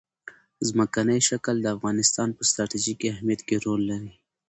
ځمکنی شکل د افغانستان په ستراتیژیک اهمیت کې رول لري.